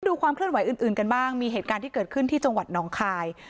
ความเคลื่อนไหวอื่นกันบ้างมีเหตุการณ์ที่เกิดขึ้นที่จังหวัดน้องคาย